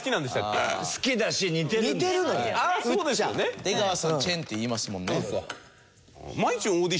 出川さん「チェン」って言いますもんね。